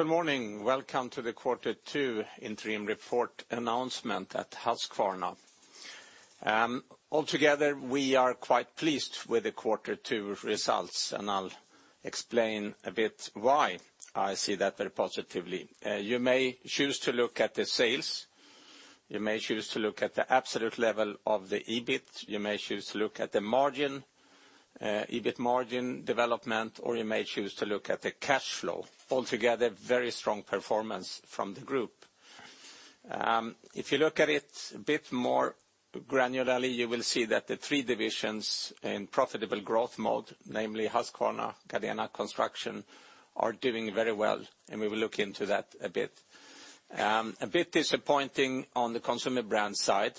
Good morning. Welcome to the quarter two interim report announcement at Husqvarna. Altogether, we are quite pleased with the quarter two results. I'll explain a bit why I see that very positively. You may choose to look at the sales, you may choose to look at the absolute level of the EBIT, you may choose to look at the margin, EBIT margin development, or you may choose to look at the cash flow. Altogether, very strong performance from the group. If you look at it a bit more granularly, you will see that the three divisions in profitable growth mode, namely Husqvarna, Gardena, Construction, are doing very well. We will look into that a bit. A bit disappointing on the Consumer Brands side.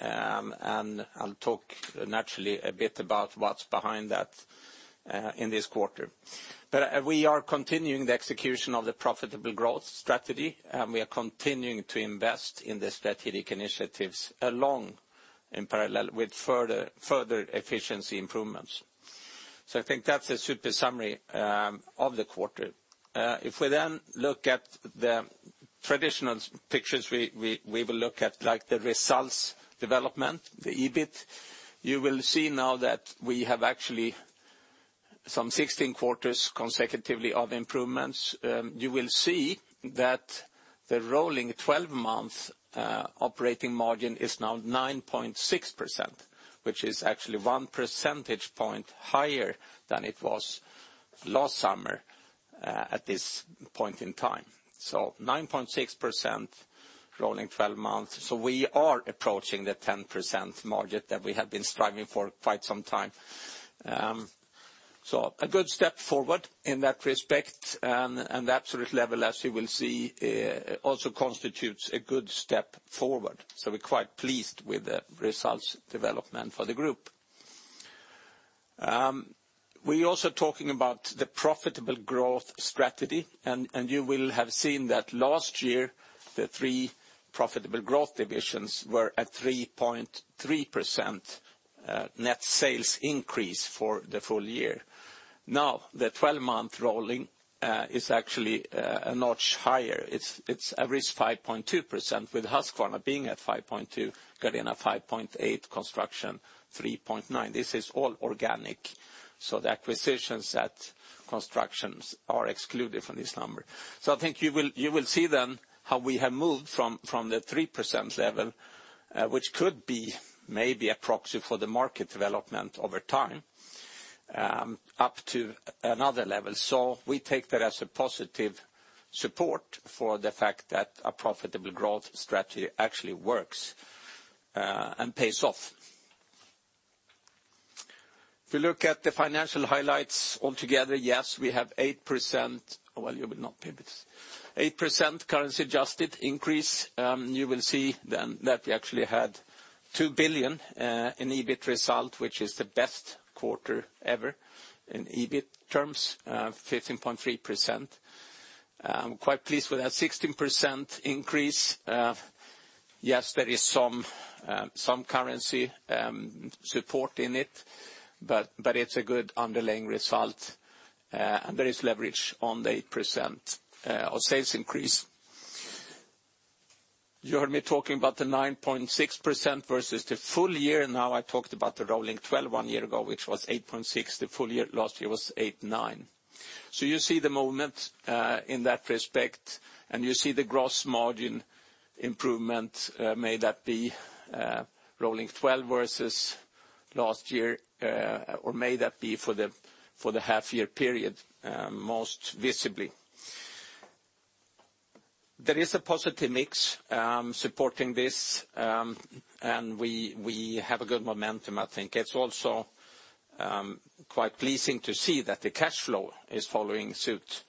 I'll talk naturally a bit about what's behind that in this quarter. We are continuing the execution of the profitable growth strategy. We are continuing to invest in the strategic initiatives along in parallel with further efficiency improvements. I think that's a super summary of the quarter. If we look at the traditional pictures, we will look at the results development, the EBIT. You will see now that we have actually some 16 quarters consecutively of improvements. You will see that the rolling 12-month operating margin is now 9.6%, which is actually one percentage point higher than it was last summer at this point in time. 9.6% rolling 12 months. We are approaching the 10% margin that we have been striving for quite some time. A good step forward in that respect, absolute level, as you will see, also constitutes a good step forward. We're quite pleased with the results development for the group. We're also talking about the profitable growth strategy. You will have seen that last year, the three profitable growth divisions were at 3.3% net sales increase for the full year. Now, the 12-month rolling is actually a notch higher. It's at 5.2% with Husqvarna being at 5.2%, Gardena 5.8%, Construction 3.9%. This is all organic. The acquisitions at Construction are excluded from this number. I think you will see how we have moved from the 3% level, which could be maybe a proxy for the market development over time, up to another level. We take that as a positive support for the fact that a profitable growth strategy actually works and pays off. If you look at the financial highlights altogether, yes, we have 8%-- Well, you will not see this. 8% currency adjusted increase. You will see that we actually had two billion in EBIT result, which is the best quarter ever in EBIT terms, 15.3%. I'm quite pleased with that 16% increase. Yes, there is some currency support in it's a good underlying result. There is leverage on the 8% of sales increase. You heard me talking about the 9.6% versus the full year. Now I talked about the rolling 12 one year ago, which was 8.6%. The full year last year was 8.9%. You see the movement in that respect. You see the gross margin improvement, may that be rolling 12 versus last year, or may that be for the half-year period, most visibly. There is a positive mix supporting this. We have a good momentum, I think. It's also quite pleasing to see that the cash flow is following suit,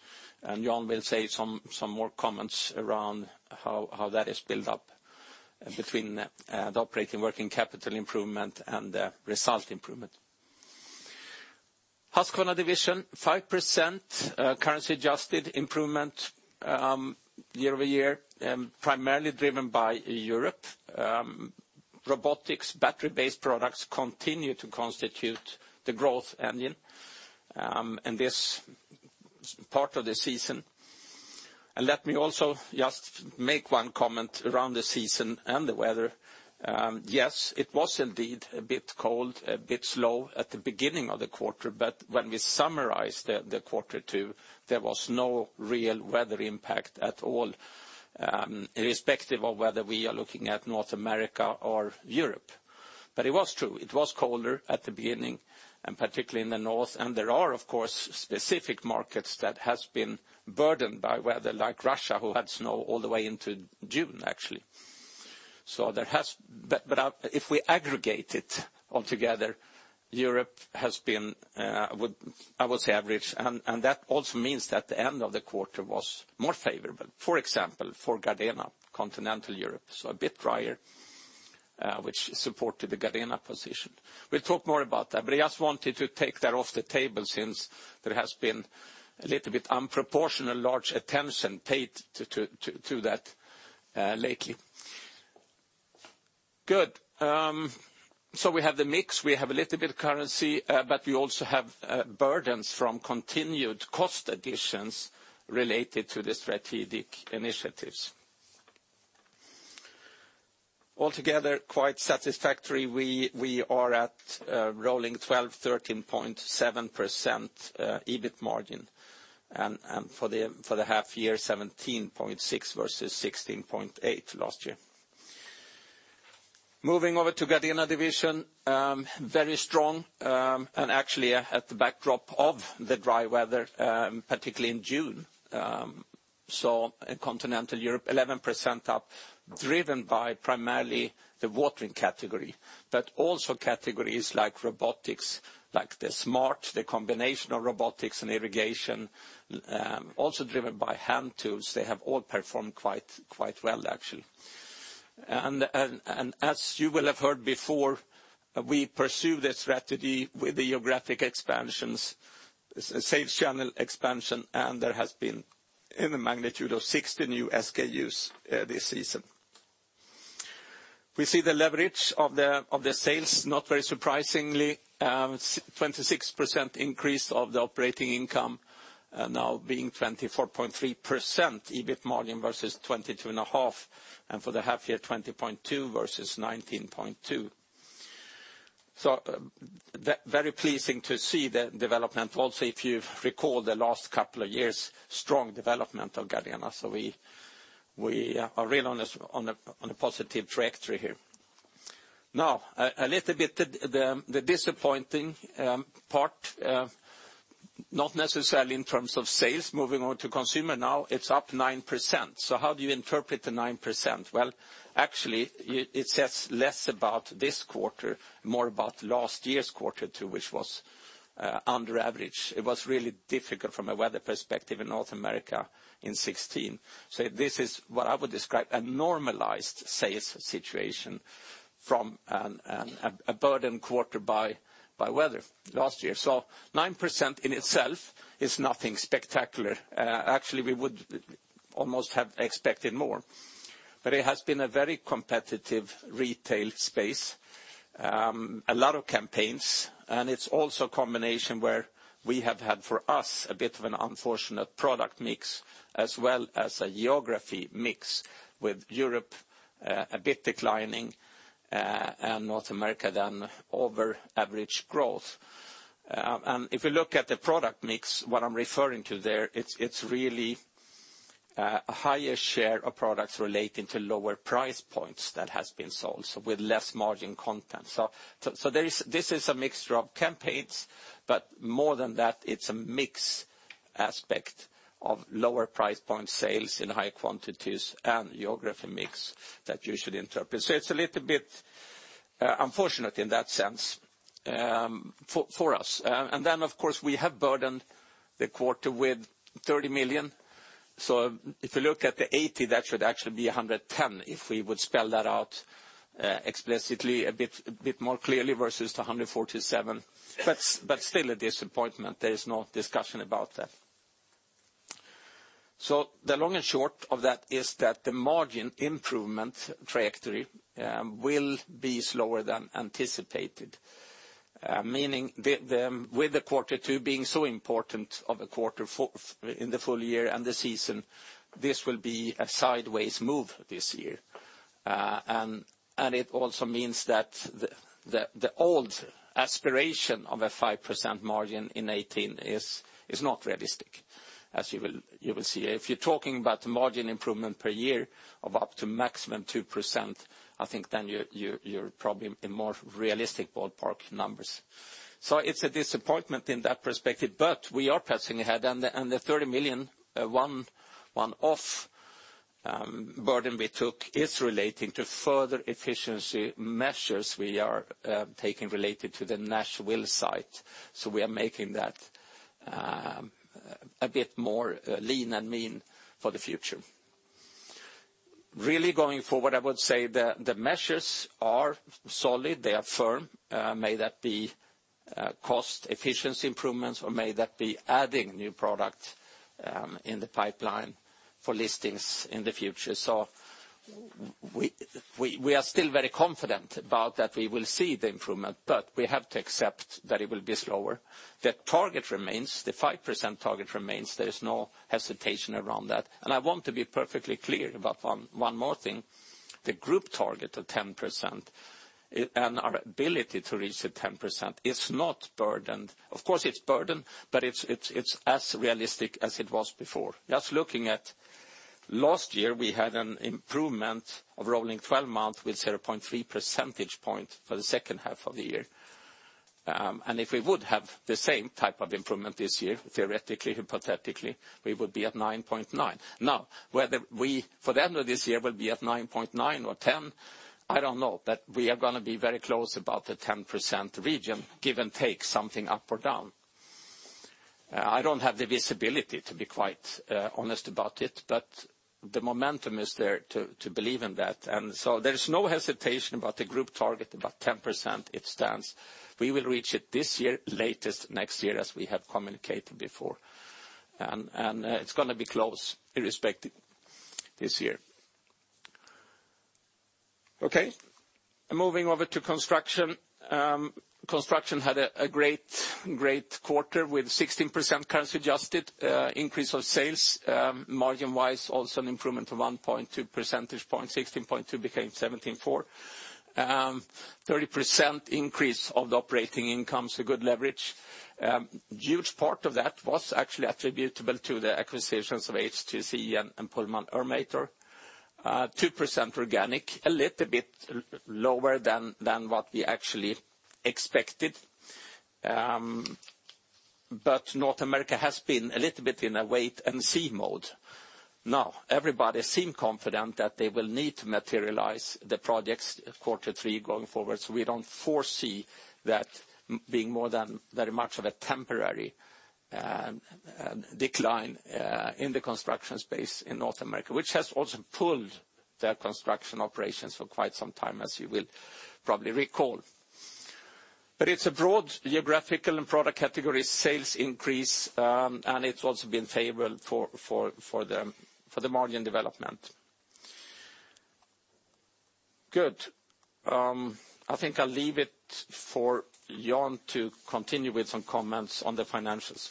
Jan will say some more comments around how that is built up between the operating working capital improvement and the result improvement. Husqvarna Division, 5% currency-adjusted improvement year-over-year, primarily driven by Europe. Robotics, battery-based products continue to constitute the growth engine in this part of the season. Let me also just make one comment around the season and the weather. Yes, it was indeed a bit cold, a bit slow at the beginning of the quarter, but when we summarized the quarter two, there was no real weather impact at all, irrespective of whether we are looking at North America or Europe. It was true. It was colder at the beginning, particularly in the north, there are, of course, specific markets that has been burdened by weather, like Russia, who had snow all the way into June, actually. If we aggregate it all together, Europe has been, I would say, average, that also means that the end of the quarter was more favorable. For example, for Gardena, Continental Europe, a bit drier, which supported the Gardena position. We'll talk more about that, I just wanted to take that off the table since there has been a little bit unproportional large attention paid to that lately. Good. We have the mix, we have a little bit of currency, we also have burdens from continued cost additions related to the strategic initiatives. Altogether, quite satisfactory. We are at rolling 12, 13.7% EBIT margin. For the half year, 17.6% versus 16.8% last year. Moving over to Gardena Division, very strong, actually at the backdrop of the dry weather, particularly in June. In Continental Europe, 11% up, driven by primarily the Watering category, but also categories like Robotics, like the smart, the combination of Robotics and irrigation, also driven by Hand Tools. They have all performed quite well, actually. As you will have heard before, we pursue the strategy with the geographic expansions, sales channel expansion, there has been in the magnitude of 60 new SKUs this season. We see the leverage of the sales, not very surprisingly, 26% increase of the operating income, now being 24.3% EBIT margin versus 22.5%, for the half year, 20.2% versus 19.2%. Very pleasing to see the development. If you recall the last couple of years, strong development of Gardena. A little bit, the disappointing part, not necessarily in terms of sales. Moving on to consumer now, it's up 9%. How do you interpret the 9%? Actually, it says less about this quarter, more about last year's quarter two, which was under average. It was really difficult from a weather perspective in North America in 2016. This is what I would describe a normalized sales situation from a burdened quarter by weather last year. 9% in itself is nothing spectacular. Actually, we would almost have expected more. It has been a very competitive retail space. A lot of campaigns, it's also a combination where we have had, for us, a bit of an unfortunate product mix, as well as a geography mix, with Europe a bit declining, North America then over average growth. If you look at the product mix, what I'm referring to there, it's really a higher share of products relating to lower price points that has been sold, so with less margin content. This is a mixture of campaigns, but more than that, it's a mix aspect of lower price point sales in high quantities and geography mix that you should interpret. It's a little bit unfortunate in that sense for us. Then, of course, we have burdened the quarter with 30 million. If you look at the 80, that should actually be 110 if we would spell that out explicitly, a bit more clearly versus the 147. Still a disappointment. There is no discussion about that. The long and short of that is that the margin improvement trajectory will be slower than anticipated. Meaning with the quarter 2 being so important of a quarter in the full year and the season, this will be a sideways move this year. It also means that the old aspiration of a 5% margin in 2018 is not realistic, as you will see. If you're talking about margin improvement per year of up to maximum 2%, I think then you're probably in more realistic ballpark numbers. It's a disappointment in that perspective, but we are pressing ahead, and the 30 million one-off burden we took is relating to further efficiency measures we are taking related to the Nashville site. We are making that a bit more lean and mean for the future. Really going forward, I would say the measures are solid, they are firm. May that be cost efficiency improvements or may that be adding new product in the pipeline for listings in the future. We are still very confident about that we will see the improvement, but we have to accept that it will be slower. The target remains, the 5% target remains. There is no hesitation around that. I want to be perfectly clear about one more thing. The group target of 10% and our ability to reach the 10% is not burdened. Of course it's burdened, but it's as realistic as it was before. Just looking at last year, we had an improvement of rolling 12-month with 0.3 percentage point for the second half of the year. If we would have the same type of improvement this year, theoretically, hypothetically, we would be at 9.9%. Whether we, for the end of this year, will be at 9.9% or 10%, I don't know. We are going to be very close about the 10% region, give and take something up or down. I don't have the visibility, to be quite honest about it, but the momentum is there to believe in that. There is no hesitation about the group target, about 10%. It stands. We will reach it this year, latest next year, as we have communicated before. It's going to be close irrespective this year. Moving over to Construction. Construction had a great quarter with 16% currency adjusted increase of sales. Margin-wise, also an improvement of 1.2 percentage points, 16.2% became 17.4%. 30% increase of the operating income's a good leverage. A huge part of that was actually attributable to the acquisitions of HTC and Pullman Ermator. 2% organic, a little bit lower than what we actually expected. North America has been a little bit in a wait and see mode. Everybody seem confident that they will need to materialize the projects quarter three going forward. We don't foresee that being more than very much of a temporary decline in the construction space in North America, which has also pulled their construction operations for quite some time, as you will probably recall. It's a broad geographical and product category sales increase, and it's also been favorable for the margin development. Good. I think I'll leave it for Jan to continue with some comments on the financials.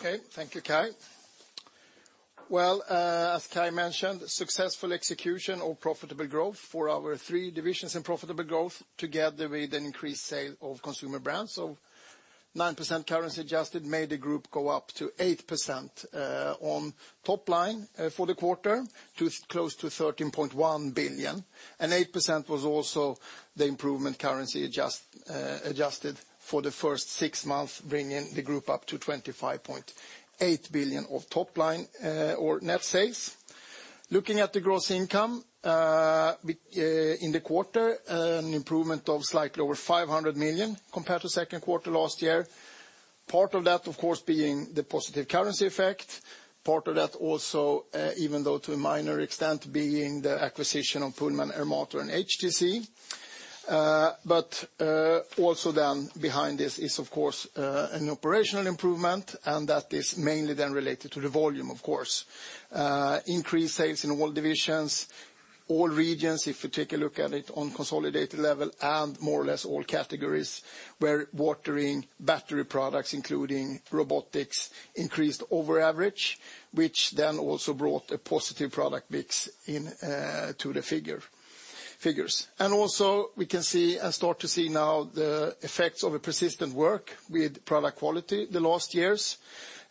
Okay. Thank you, Kai. As Kai mentioned, successful execution of profitable growth for our three divisions in profitable growth, together with an increased sale of Consumer Brands of 9% currency adjusted, made the group go up to 8% on top line for the quarter to close to 13.1 billion, 8% was also the improvement currency adjusted for the first six months, bringing the group up to 25.8 billion of top line or net sales. Looking at the gross income in the quarter, an improvement of slightly over 500 million compared to second quarter last year. Part of that, of course, being the positive currency effect, part of that also, even though to a minor extent, being the acquisition of Pullman Ermator and HTC. Also then behind this is, of course, an operational improvement, and that is mainly then related to the volume, of course. Increased sales in all divisions, all regions, if you take a look at it on consolidated level and more or less all categories where watering battery-powered products, including robotics, increased over average, which then also brought a positive product mix into the figures. Also we can start to see now the effects of a persistent work with product quality the last years,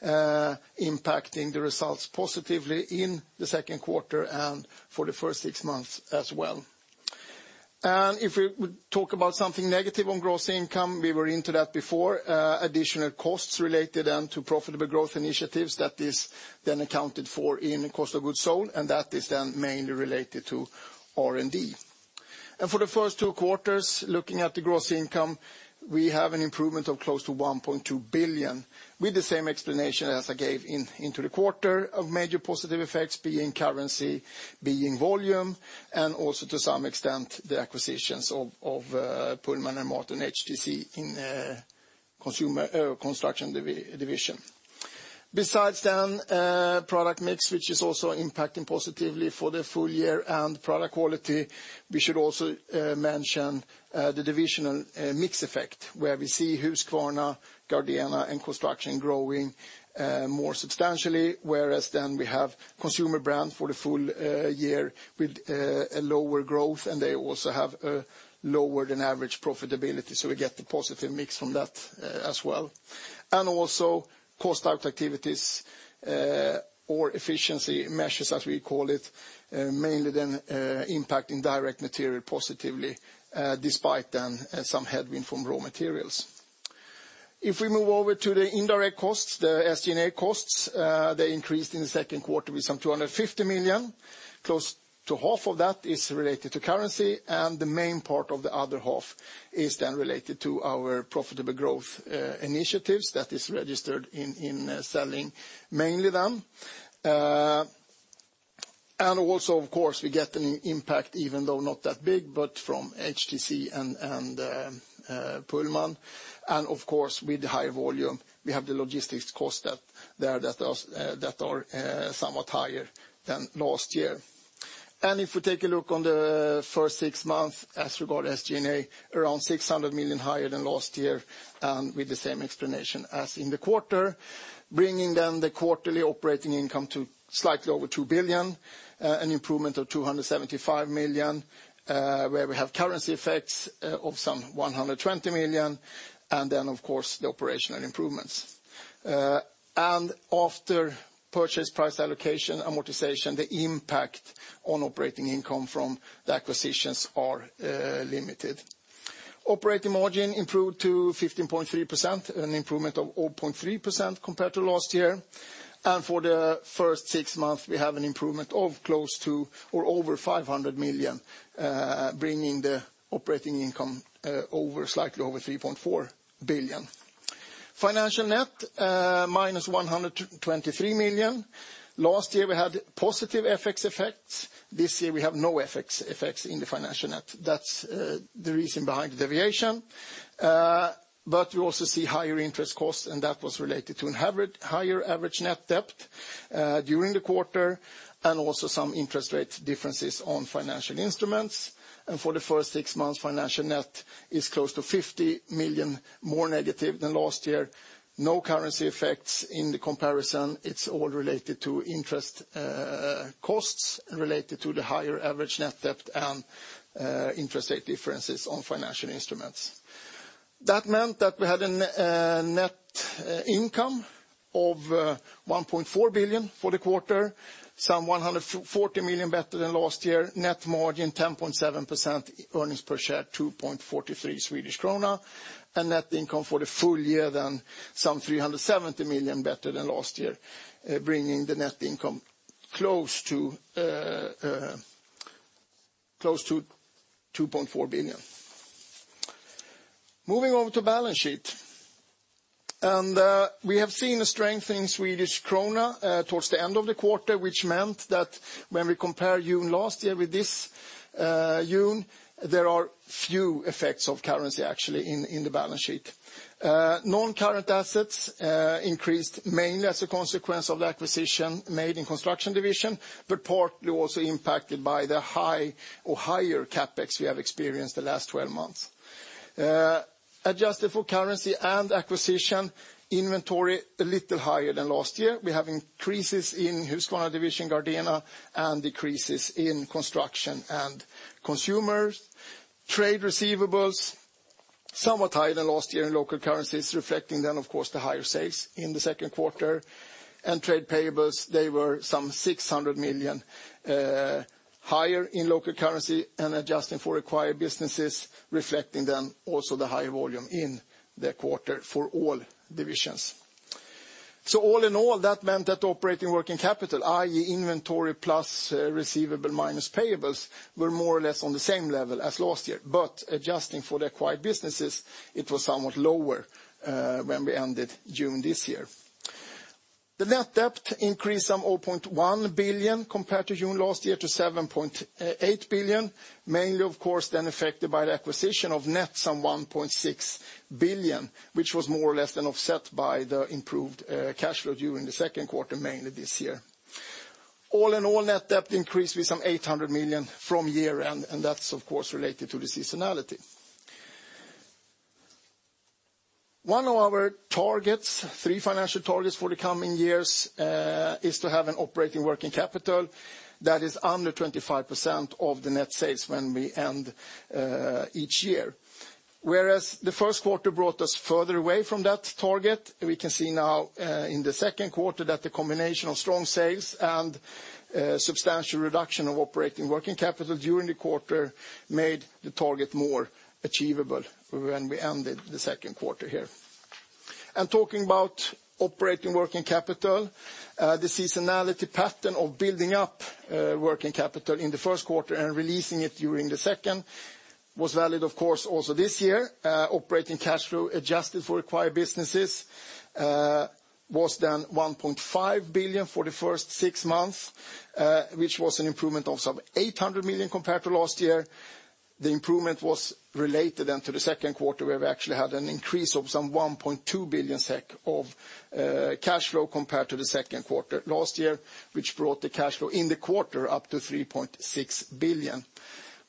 impacting the results positively in the second quarter and for the first six months as well. If we talk about something negative on gross income, we were into that before. Additional costs related then to Profitable Growth Initiatives that is then accounted for in the COGS, and that is then mainly related to R&D. For the first two quarters, looking at the gross income, we have an improvement of close to 1.2 billion with the same explanation as I gave into the quarter of major positive effects being currency, being volume, and also to some extent, the acquisitions of Pullman Ermator and HTC in Husqvarna Construction division. Besides then product mix, which is also impacting positively for the full year and product quality, we should also mention the divisional mix effect where we see Husqvarna, Gardena, and Husqvarna Construction growing more substantially, whereas then we have Consumer Brands for the full year with a lower growth, and they also have a lower than average profitability. We get the positive mix from that as well. Also cost out activities or efficiency measures, as we call it, mainly then impacting direct material positively, despite then some headwind from raw materials. If we move over to the indirect costs, the SG&A costs, they increased in the second quarter with some 250 million. Close to half of that is related to currency. The main part of the other half is then related to our profitable growth initiatives that is registered in selling mainly then. Also, of course, we get an impact, even though not that big, but from HTC and Pullman. Of course, with the high volume, we have the logistics cost there that are somewhat higher than last year. If we take a look on the first six months as regard SG&A, around 600 million higher than last year, with the same explanation as in the quarter, bringing then the quarterly operating income to slightly over 2 billion, an improvement of 275 million, where we have currency effects of some 120 million, and then, of course, the operational improvements. After purchase price allocation amortization, the impact on operating income from the acquisitions are limited. Operating margin improved to 15.3%, an improvement of 0.3% compared to last year. For the first six months, we have an improvement of close to or over 500 million, bringing the operating income slightly over 3.4 billion. Financial net, minus 123 million. Last year we had positive FX effects. This year we have no FX effects in the financial net. That's the reason behind the deviation. We also see higher interest costs, and that was related to higher average net debt during the quarter, and also some interest rate differences on financial instruments. For the first six months, financial net is close to 50 million more negative than last year. No currency effects in the comparison. It's all related to interest costs related to the higher average net debt and interest rate differences on financial instruments. That meant that we had a net income of 1.4 billion for the quarter, some 140 million better than last year. Net margin 10.7%, earnings per share 2.43 Swedish krona. Net income for the full year, then some 370 million better than last year, bringing the net income close to 2.4 billion. Moving over to balance sheet. We have seen a strength in Swedish krona towards the end of the quarter, which meant that when we compare June last year with this June, there are few effects of currency actually in the balance sheet. Non-current assets increased mainly as a consequence of the acquisition made in Construction division, but partly also impacted by the high or higher CapEx we have experienced the last 12 months. Adjusted for currency and acquisition, inventory a little higher than last year. We have increases in Husqvarna division, Gardena, and decreases in Construction and Consumer. Trade receivables, somewhat higher than last year in local currencies, reflecting then of course the higher sales in the second quarter. Trade payables, they were some 600 million higher in local currency and adjusting for acquired businesses, reflecting then also the higher volume in the quarter for all divisions. All in all, that meant that operating working capital, i.e., inventory plus receivables minus payables, were more or less on the same level as last year. Adjusting for the acquired businesses, it was somewhat lower when we ended June this year. The net debt increased some 0.1 billion compared to June last year to 7.8 billion, mainly of course then affected by the acquisition of net some 1.6 billion, which was more or less than offset by the improved cash flow during the second quarter mainly this year. All in all, net debt increased with some 800 million from year-end, that's of course related to the seasonality. One of our three financial targets for the coming years is to have an operating working capital that is under 25% of the net sales when we end each year. Whereas the first quarter brought us further away from that target, we can see now in the second quarter that the combination of strong sales and substantial reduction of operating working capital during the quarter made the target more achievable when we ended the second quarter here. Talking about operating working capital, the seasonality pattern of building up working capital in the first quarter and releasing it during the second was valid of course also this year. Operating cash flow adjusted for acquired businesses was then 1.5 billion for the first six months, which was an improvement of some 800 million compared to last year. The improvement was related then to the second quarter where we actually had an increase of some 1.2 billion SEK of cash flow compared to the second quarter last year, which brought the cash flow in the quarter up to 3.6 billion.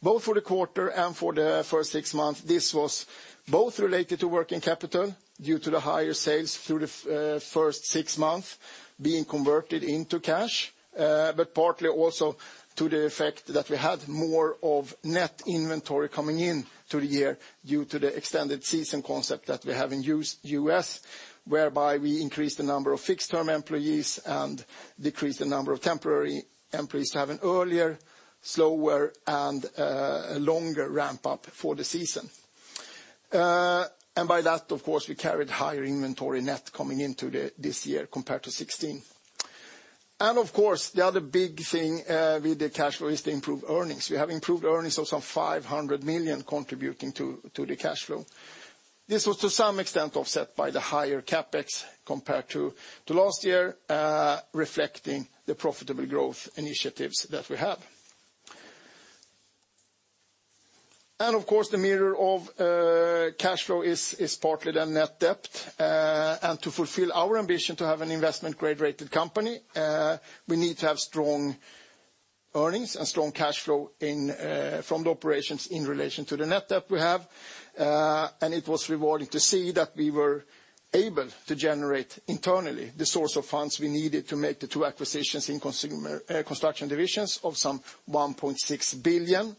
Both for the quarter and for the first six months, this was both related to working capital due to the higher sales through the first six months being converted into cash, but partly also to the effect that we had more of net inventory coming into the year due to the extended season concept that we have in U.S., whereby we increased the number of fixed-term employees and decreased the number of temporary employees to have an earlier, slower, and a longer ramp-up for the season. By that, of course, we carried higher inventory net coming into this year compared to 2016. Of course, the other big thing with the cash flow is the improved earnings. We have improved earnings of some 500 million contributing to the cash flow. This was to some extent offset by the higher CapEx compared to last year, reflecting the profitable growth initiatives that we have. Of course, the mirror of cash flow is partly the net debt. To fulfill our ambition to have an investment-grade-rated company, we need to have strong earnings and strong cash flow from the operations in relation to the net debt we have. It was rewarding to see that we were able to generate internally the source of funds we needed to make the two acquisitions in Construction divisions of some 1.6 billion.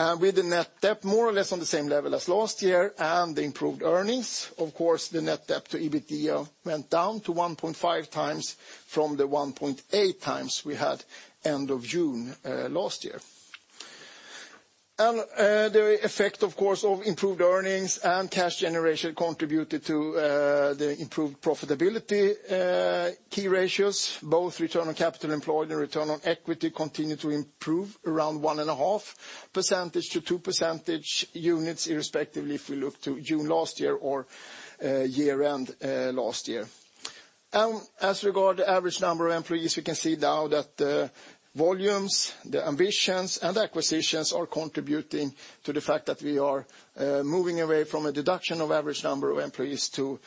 With the net debt more or less on the same level as last year and the improved earnings, of course the net debt to EBITDA went down to 1.5 times from the 1.8 times we had end of June last year. The effect, of course, of improved earnings and cash generation contributed to the improved profitability key ratios. Both return on capital employed and return on equity continued to improve around one and a half percentage to two percentage units respectively if we look to June last year or year-end last year. As regard the average number of employees, we can see now that the volumes, the ambitions, and acquisitions are contributing to the fact that we are moving away from a deduction of average number of employees to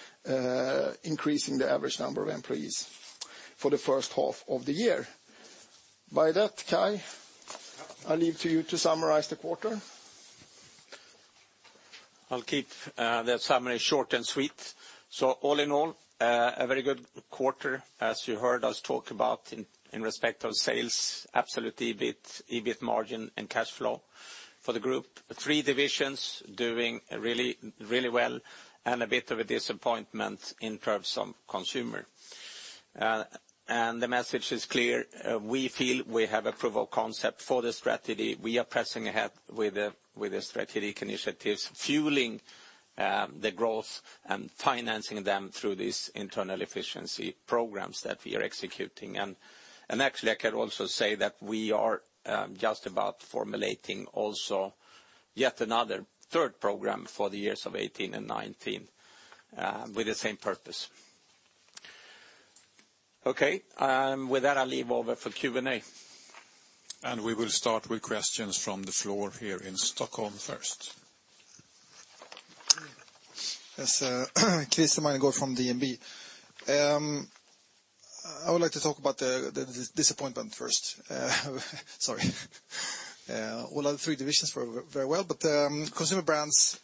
increasing the average number of employees for the first half of the year. By that, Kai, I leave to you to summarize the quarter. I'll keep the summary short and sweet. All in all, a very good quarter, as you heard us talk about in respect of sales, absolute EBIT margin, and cash flow for the group. Three divisions doing really well, and a bit of a disappointment in terms of consumer. The message is clear. We feel we have a proven concept for the strategy. We are pressing ahead with the strategic initiatives, fueling the growth and financing them through these internal efficiency programs that we are executing on. Actually, I can also say that we are just about formulating also yet another third program for the years of 2018 and 2019 with the same purpose. Okay. With that, I'll leave over for Q&A. We will start with questions from the floor here in Stockholm first. It's Christer Meinecke from DNB. I would like to talk about the disappointment first. Sorry. All other three divisions very well, but Consumer Brands,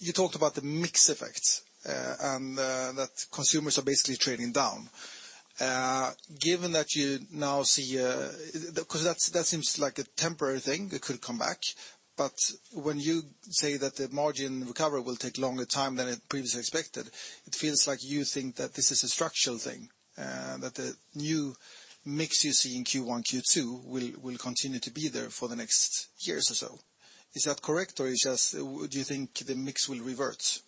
you talked about the mix effects, and that consumers are basically trading down. That seems like a temporary thing, it could come back, but when you say that the margin recovery will take longer time than previously expected, it feels like you think that this is a structural thing, that the new mix you see in Q1, Q2 will continue to be there for the next years or so. Is that correct, or do you think the mix will revert?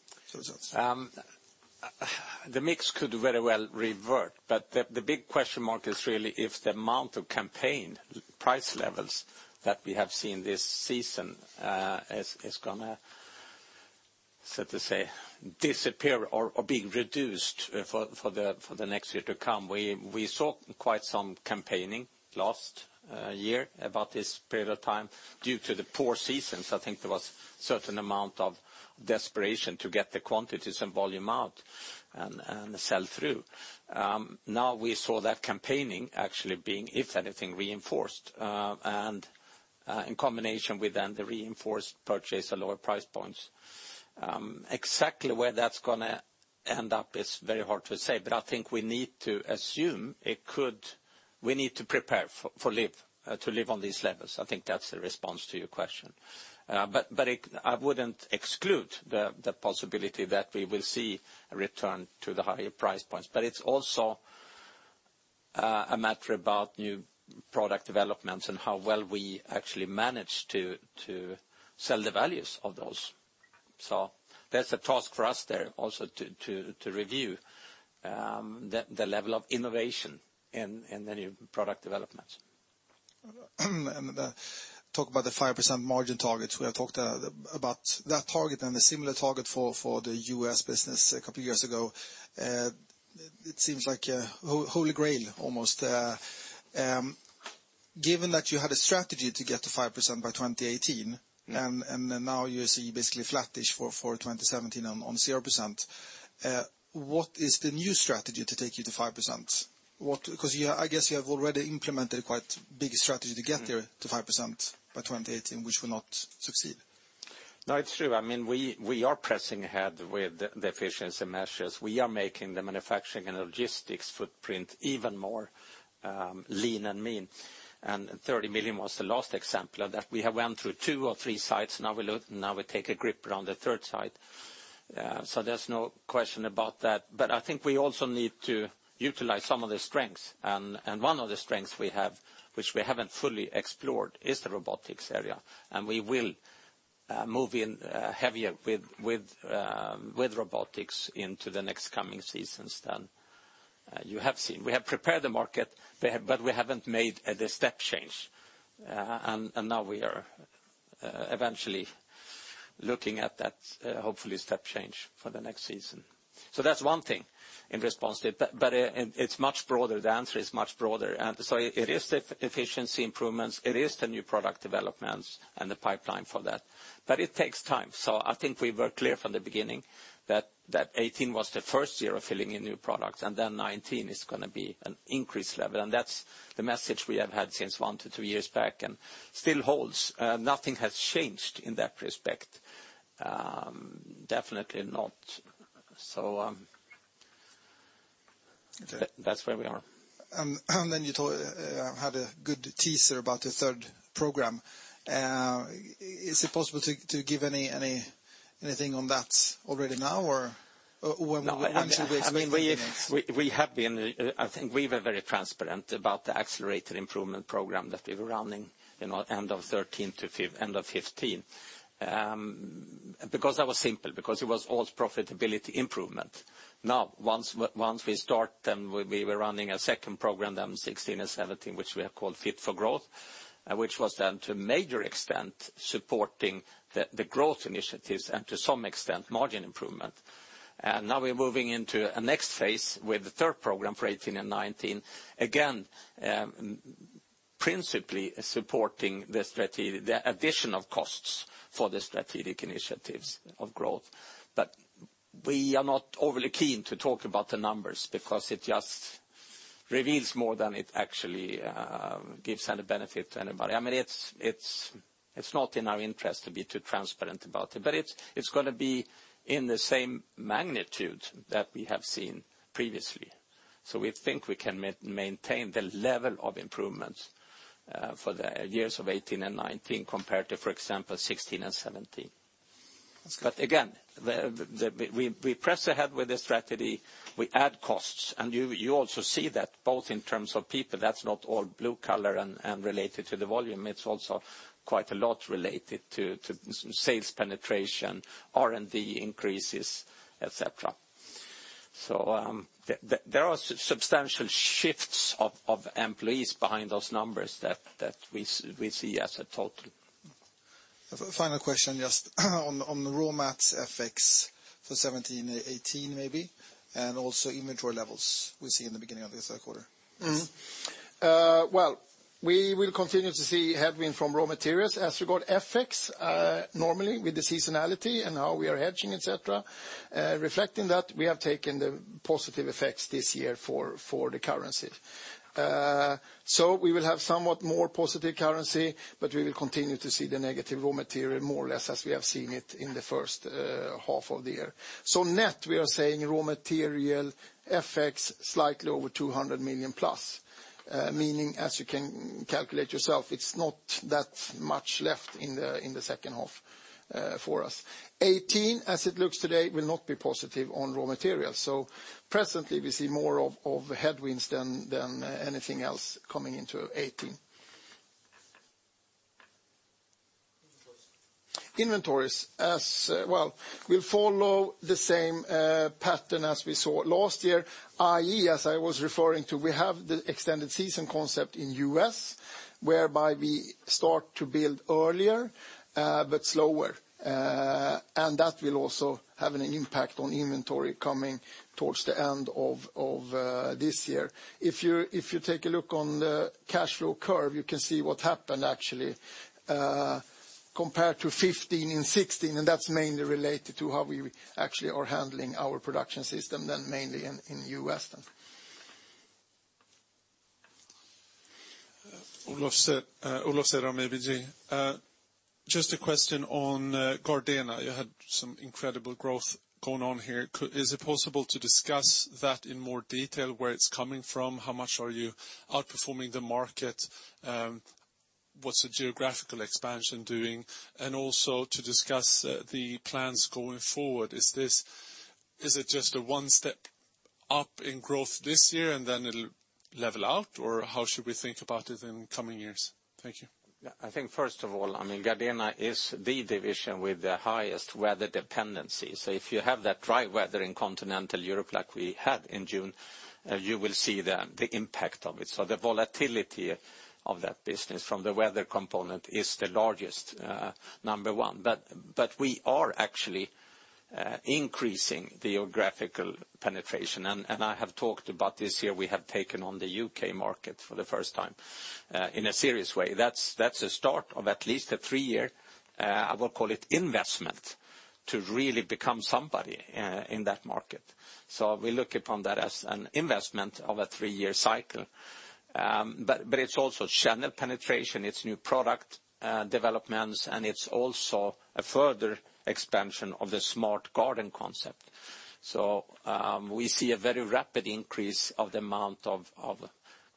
The mix could very well revert, the big question mark is really if the amount of campaign price levels that we have seen this season is going to, so to say, disappear or be reduced for the next year to come. We saw quite some campaigning last year about this period of time due to the poor seasons. I think there was certain amount of desperation to get the quantities and volume out, and the sell-through. Now we saw that campaigning actually being, if anything, reinforced, and in combination with then the reinforced purchaser lower price points. Exactly where that's going to end up is very hard to say, but I think we need to prepare to live on these levels. I think that's the response to your question. I wouldn't exclude the possibility that we will see a return to the higher price points. It's also a matter about new product developments and how well we actually manage to sell the values of those. That's a task for us there, also to review the level of innovation in the new product developments. Talk about the 5% margin targets. We have talked about that target and the similar target for the U.S. business a couple of years ago. It seems like a holy grail almost. Given that you had a strategy to get to 5% by 2018, now you see basically flat-ish for 2017 on 0%, what is the new strategy to take you to 5%? I guess you have already implemented quite big strategy to get there to 5% by 2018, which will not succeed. No, it's true. We are pressing ahead with the efficiency measures. We are making the manufacturing and logistics footprint even more lean and mean, 30 million was the last example of that. We have went through two or three sites. Now we take a grip around the third site. There's no question about that. I think we also need to utilize some of the strengths, one of the strengths we have, which we haven't fully explored, is the robotics area, we will move in heavier with robotics into the next coming seasons than you have seen. We have prepared the market, we haven't made the step change. Now we are eventually looking at that, hopefully, step change for the next season. That's one thing in response to it. The answer is much broader. It is the efficiency improvements, it is the new product developments, and the pipeline for that. It takes time. I think we were clear from the beginning that 2018 was the first year of filling in new products, and then 2019 is going to be an increased level, and that's the message we have had since one to two years back, and still holds. Nothing has changed in that respect. Definitely not. That's where we are. You had a good teaser about the third program. Is it possible to give anything on that already now, or when should we expect any news? I think we were very transparent about the Accelerated Improvement Program that we were running end of 2013 to end of 2015. That was simple, because it was all profitability improvement. Once we start, we were running a second program 2016 and 2017, which we have called Fit for Growth, which was to a major extent supporting the growth initiatives and to some extent, margin improvement. We're moving into a next phase with the third program for 2018 and 2019. Principally supporting the additional costs for the strategic initiatives of growth. We are not overly keen to talk about the numbers because it just reveals more than it actually gives any benefit to anybody. It's not in our interest to be too transparent about it, but it's going to be in the same magnitude that we have seen previously. We think we can maintain the level of improvements for the years of 2018 and 2019, compared to, for example, 2016 and 2017. Again, we press ahead with the strategy. We add costs, and you also see that both in terms of people. That's not all blue-collar and related to the volume. It's also quite a lot related to sales penetration, R&D increases, et cetera. There are substantial shifts of employees behind those numbers that we see as a total. A final question just on the raw mats effects for 2017 and 2018 maybe, also inventory levels we see in the beginning of this quarter. Well, we will continue to see headwind from raw materials. As regard effects, normally with the seasonality and how we are hedging, et cetera, reflecting that, we have taken the positive effects this year for the currency. We will have somewhat more positive currency, we will continue to see the negative raw material more or less as we have seen it in the first half of the year. Net, we are saying raw material effects slightly over 200 million plus, meaning, as you can calculate yourself, it's not that much left in the second half for us. 2018, as it looks today, will not be positive on raw materials. Presently, we see more of headwinds than anything else coming into 2018. Inventories. Inventories. Well, we'll follow the same pattern as we saw last year, i.e., as I was referring to, we have the extended season concept in U.S., whereby we start to build earlier but slower. That will also have an impact on inventory coming towards the end of this year. If you take a look on the cash flow curve, you can see what happened, actually compared to 2015 and 2016, that's mainly related to how we actually are handling our production system, then mainly in U.S. then. Olof, just a question on Gardena. You had some incredible growth going on here. Is it possible to discuss that in more detail, where it's coming from, how much are you outperforming the market? What's the geographical expansion doing? Also to discuss the plans going forward. Is it just a one-step up in growth this year, then it'll level out? How should we think about it in coming years? Thank you. I think first of all, Gardena is the division with the highest weather dependency. If you have that dry weather in continental Europe like we had in June, you will see the impact of it. The volatility of that business from the weather component is the largest, number one. We are actually increasing the geographical penetration, and I have talked about this year, we have taken on the U.K. market for the first time in a serious way. That's a start of at least a three-year, I will call it investment, to really become somebody in that market. We look upon that as an investment of a three-year cycle. It's also channel penetration, it's new product developments, and it's also a further expansion of the smart garden concept. We see a very rapid increase of the amount of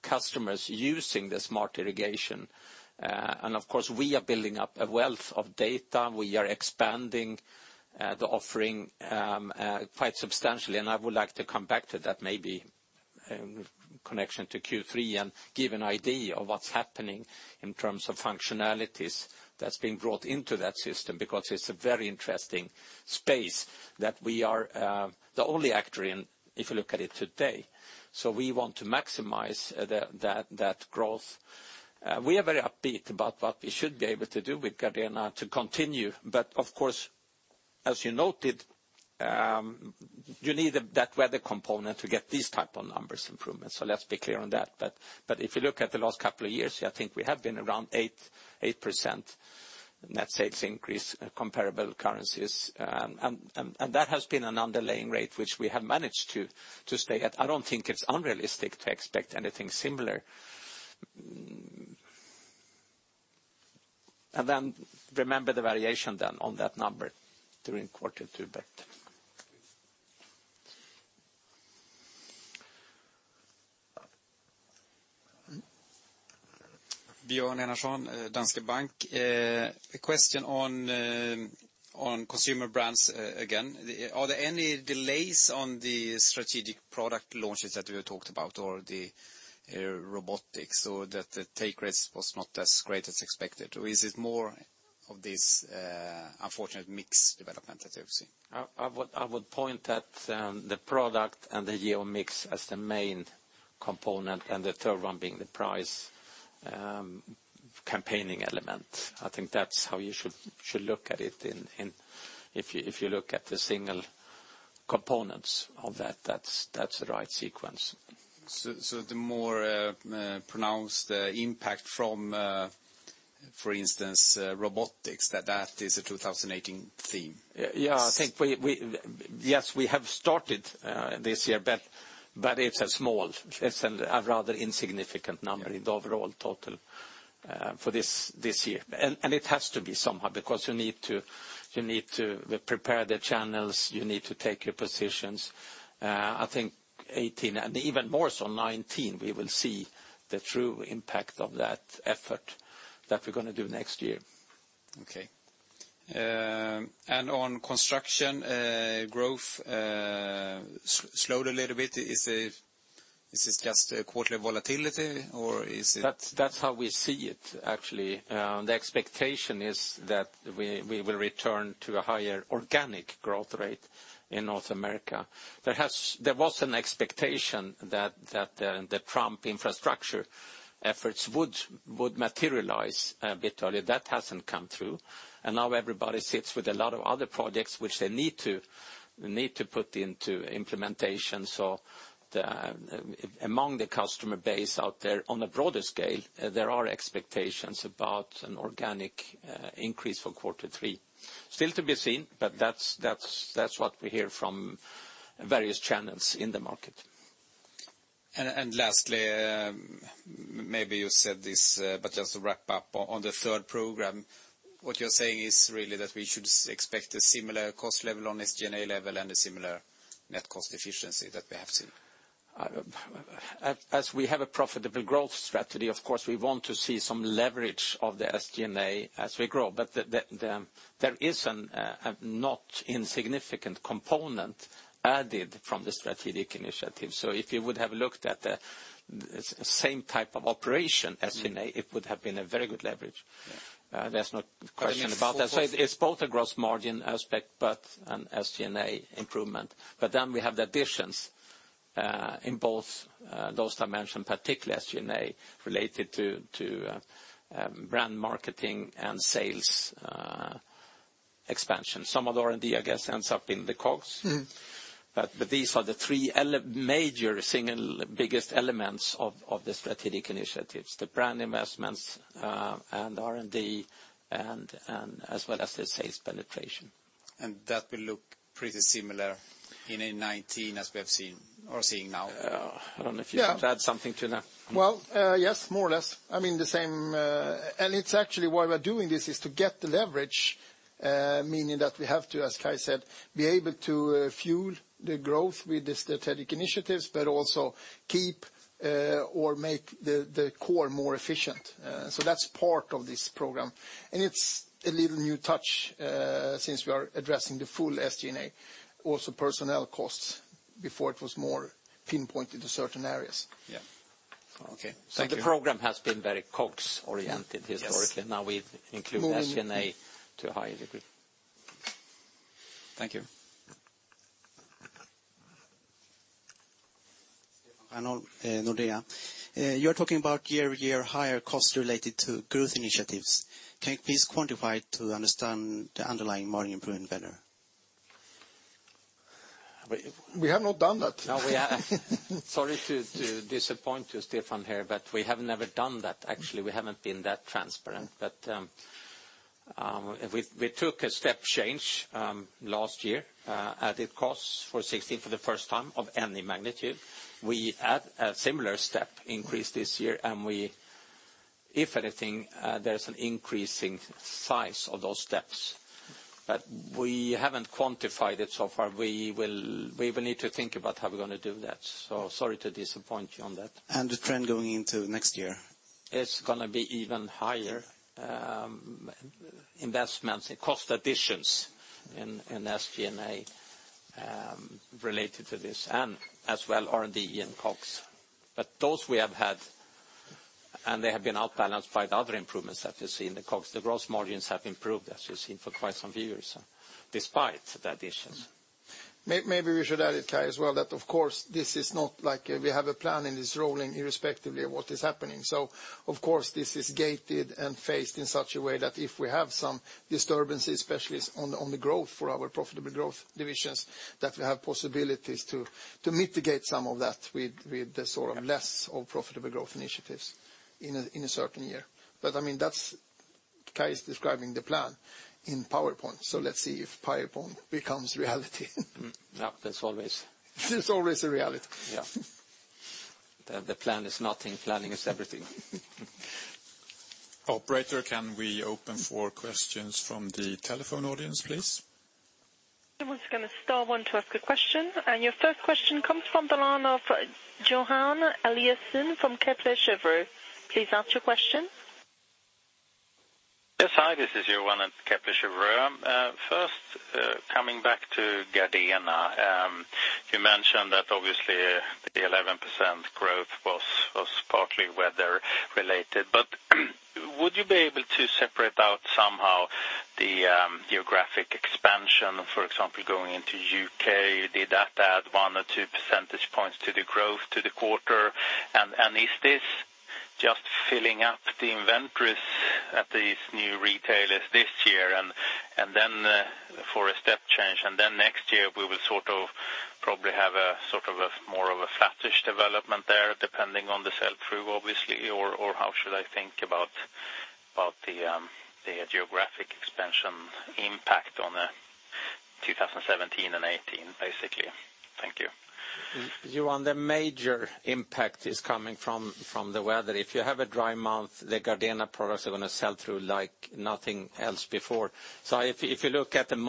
customers using the smart irrigation. Of course, we are building up a wealth of data. We are expanding the offering quite substantially, and I would like to come back to that maybe in connection to Q3 and give an idea of what's happening in terms of functionalities that's being brought into that system, because it's a very interesting space that we are the only actor in, if you look at it today. We want to maximize that growth. We are very upbeat about what we should be able to do with Gardena to continue. Of course, as you noted, you need that weather component to get these type of numbers improvements. Let's be clear on that. If you look at the last couple of years, I think we have been around 8% net sales increase comparable currencies. That has been an underlying rate which we have managed to stay at. I don't think it's unrealistic to expect anything similar. Remember the variation then on that number during quarter two. Björn Enarson, Danske Bank. A question on Consumer Brands again. Are there any delays on the strategic product launches that we have talked about or the robotics, or that the take rates was not as great as expected? Is it more of this unfortunate mix development that we've seen? I would point at the product and the geo mix as the main component, and the third one being the price, campaigning element. I think that's how you should look at it. If you look at the single components of that's the right sequence. The more pronounced impact from, for instance, robotics, that is a 2018 theme? Yes, we have started this year, but it's a small, it's a rather insignificant number. Yeah In the overall total for this year. It has to be somehow, because you need to prepare the channels. You need to take your positions. I think 2018, and even more so 2019, we will see the true impact of that effort that we're going to do next year. Okay. On Husqvarna Construction growth slowed a little bit. Is this just a quarterly volatility? That's how we see it, actually. The expectation is that we will return to a higher organic growth rate in North America. There was an expectation that the Trump infrastructure efforts would materialize a bit early. That hasn't come through, and now everybody sits with a lot of other projects which they need to put into implementation. Among the customer base out there, on a broader scale, there are expectations about an organic increase for quarter three. Still to be seen, but that's what we hear from various channels in the market. Lastly, maybe you said this, but just to wrap up on the third program, what you're saying is really that we should expect a similar cost level on SG&A level and a similar net cost efficiency that we have seen? As we have a profitable growth strategy, of course, we want to see some leverage of the SG&A as we grow. There is a not insignificant component added from the strategic initiative. If you would have looked at the same type of operation SG&A. It would have been a very good leverage. Yeah. There's no question about that. The fourth- It's both a gross margin aspect, but an SG&A improvement. We have the additions in both those dimension, particularly SG&A, related to brand marketing and sales expansion. Some of R&D, I guess, ends up in the COGS. These are the three major single biggest elements of the strategic initiatives, the brand investments, and R&D, as well as the sales penetration. That will look pretty similar in 2019 as we have seen or are seeing now? I don't know if you want to add something to that. Well, yes, more or less. I mean, it's actually why we're doing this is to get the leverage, meaning that we have to, as Kai said, be able to fuel the growth with the strategic initiatives, but also keep or make the core more efficient. That's part of this program. It's a little new touch, since we are addressing the full SG&A, also personnel costs. Before it was more pinpointed to certain areas. Yeah. Okay. Thank you. The program has been very COGS-oriented historically. Yes. Now we include SG&A to a higher degree. Thank you. Stefan Arnold, Nordea. You're talking about year-over-year higher costs related to growth initiatives. Can you please quantify to understand the underlying margin improvement better? We have not done that. No. Sorry to disappoint you, Stefan, here, we have never done that. Actually, we haven't been that transparent. We took a step change last year, added costs for 2016 for the first time of any magnitude. We had a similar step increase this year, if anything, there's an increasing size of those steps. We haven't quantified it so far. We will need to think about how we're going to do that. Sorry to disappoint you on that. The trend going into next year? It's going to be even higher investments in cost additions in SG&A related to this, as well, R&D and COGS. Those we have had, and they have been outbalanced by the other improvements that we see in the COGS. The gross margins have improved, as you've seen, for quite some years, despite the additions. Maybe we should add it, Kai, as well, that of course, this is not like we have a plan and it's rolling irrespectively of what is happening. Of course, this is gated and phased in such a way that if we have some disturbances, especially on the growth for our profitable growth divisions, that we have possibilities to mitigate some of that with the sort of less of profitable growth initiatives in a certain year. I mean, that's Kai is describing the plan in PowerPoint. Let's see if PowerPoint becomes reality. Yeah. That's always- It's always a reality. Yeah. The plan is nothing. Planning is everything. Operator, can we open for questions from the telephone audience, please? Once again, star one to ask a question. Your first question comes from the line of Johan Eliason from Kepler Cheuvreux. Please ask your question. Yes. Hi, this is Johan at Kepler Cheuvreux. First, coming back to Gardena. You mentioned that obviously the 11% growth was partly weather related, but would you be able to separate out somehow the geographic expansion, for example, going into U.K.? Did that add one or two percentage points to the growth to the quarter? Is this just filling up the inventories at these new retailers this year, then for a step change. Next year, we will probably have more of a flattish development there, depending on the sell-through, obviously. How should I think about the geographic expansion impact on 2017 and 2018, basically? Thank you. Johan, the major impact is coming from the weather. If you have a dry month, the Gardena products are going to sell through like nothing else before. If you look at the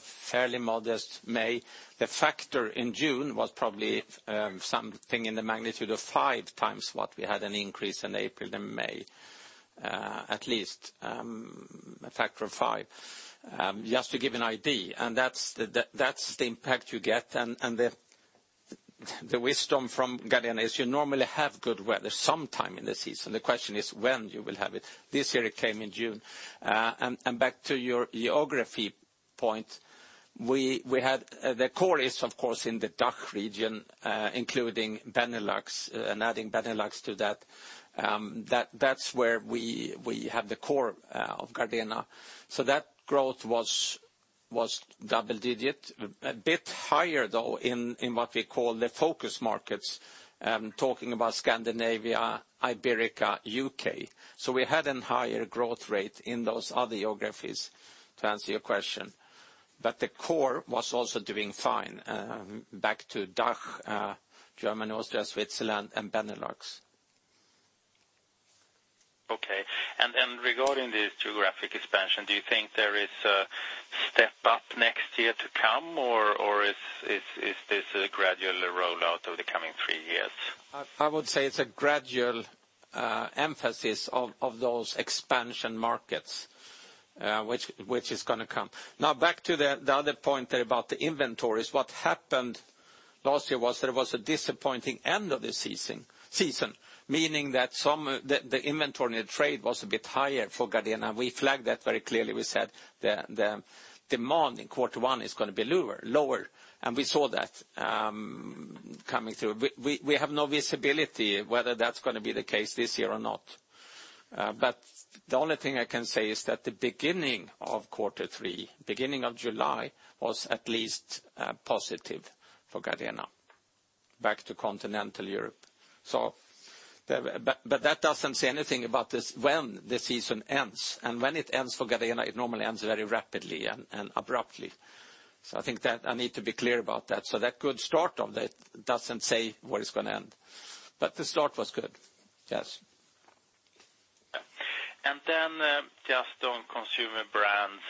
fairly modest May, the factor in June was probably something in the magnitude of five times what we had an increase in April and May. At least a factor of five, just to give you an idea. That's the impact you get, and the wisdom from Gardena is you normally have good weather sometime in the season. The question is when you will have it. This year it came in June. Back to your geography point, the core is of course in the DACH region, including Benelux, and adding Benelux to that. That's where we have the core of Gardena. That growth was double-digit. A bit higher though in what we call the focus markets, talking about Scandinavia, Iberia, U.K. We had a higher growth rate in those other geographies to answer your question. The core was also doing fine. Back to DACH, Germany, Austria, Switzerland, and Benelux. Okay. Regarding this geographic expansion, do you think there is a step up next year to come, or is this a gradual rollout over the coming three years? I would say it's a gradual emphasis of those expansion markets which is going to come. Back to the other point there about the inventories. What happened last year was there was a disappointing end of the season, meaning that the inventory and the trade was a bit higher for Gardena. We flagged that very clearly. We said the demand in quarter one is going to be lower, and we saw that coming through. We have no visibility whether that's going to be the case this year or not. The only thing I can say is that the beginning of quarter three, beginning of July, was at least positive for Gardena. Back to continental Europe. That doesn't say anything about when the season ends. When it ends for Gardena, it normally ends very rapidly and abruptly. I think that I need to be clear about that. That good start of that doesn't say where it's going to end. The start was good. Yes. Just on Consumer Brands,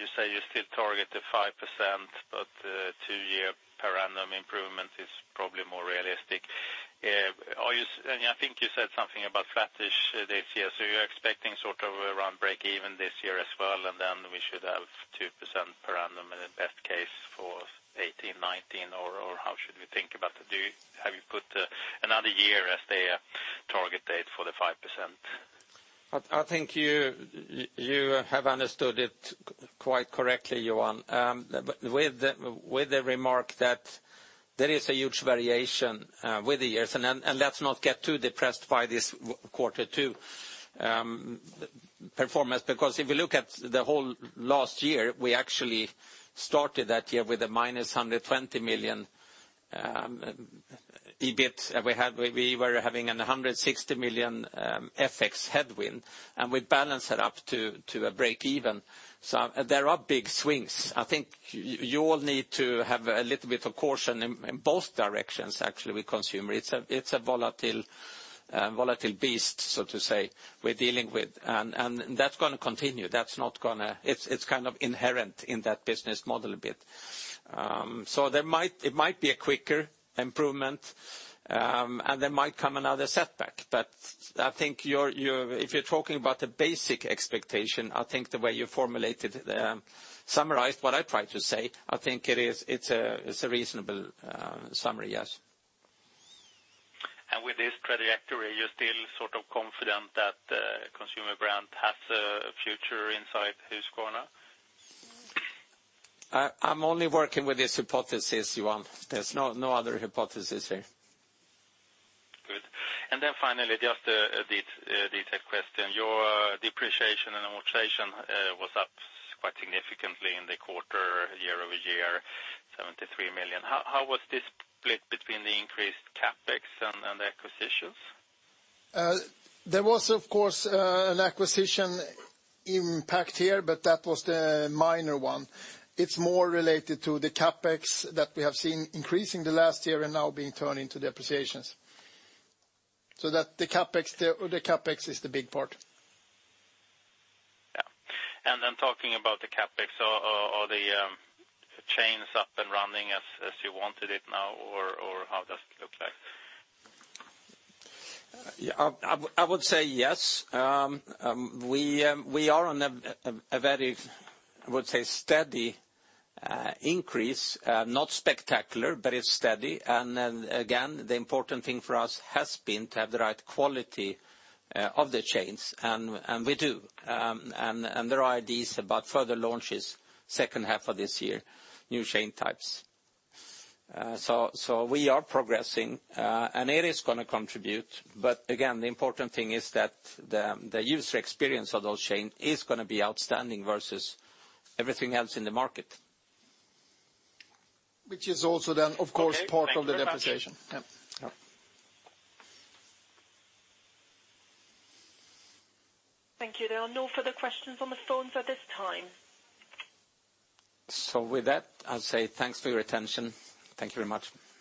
you say you still target the 5%, but two-year per annum improvement is probably more realistic. I think you said something about flattish this year. You're expecting sort of around break even this year as well, and then we should have 2% per annum in the best case for 2018, 2019, or how should we think about that? Have you put another year as the target date for the 5%? I think you have understood it quite correctly, Johan. With the remark that there is a huge variation with the years, let's not get too depressed by this quarter two performance, because if you look at the whole last year, we actually started that year with a -120 million EBIT. We were having a 160 million FX headwind, and we balanced that up to a break even. There are big swings. I think you all need to have a little bit of caution in both directions, actually, with Consumer Brands. It's a volatile beast, so to say, we're dealing with. That's going to continue. It's kind of inherent in that business model a bit. It might be a quicker improvement, and there might come another setback. I think if you're talking about the basic expectation, I think the way you summarized what I tried to say, I think it's a reasonable summary, yes. With this trajectory, you're still sort of confident that Consumer Brands has a future inside Husqvarna? I'm only working with this hypothesis, Johan. There's no other hypothesis here. Good. Then finally, just a detailed question. Your depreciation and amortization was up quite significantly in the quarter year-over-year, 73 million. How was this split between the increased CapEx and acquisitions? There was of course an acquisition impact here, but that was the minor one. It's more related to the CapEx that we have seen increasing the last year and now being turned into depreciations. The CapEx is the big part. Talking about the CapEx, are the chains up and running as you wanted it now, or how does it look like? I would say yes. We are on a very, I would say, steady increase. Not spectacular, but it's steady. Again, the important thing for us has been to have the right quality of the chains, and we do. There are ideas about further launches second half of this year, new chain types. We are progressing, and it is going to contribute. Again, the important thing is that the user experience of those chains is going to be outstanding versus everything else in the market. Which is also then, of course, part of the depreciation. Okay. Thank you very much. Yeah. Thank you. There are no further questions on the phones at this time. With that, I'll say thanks for your attention. Thank you very much. Bye.